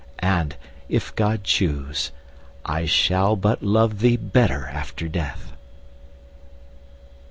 and, if God choose, I shall but love thee better after death.